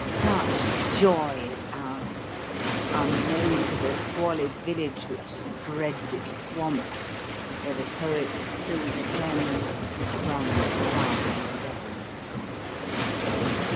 Such joy is ours, unknown to the squalid village which spreads its swamps where the poet's silver Thames runs dull and leaden.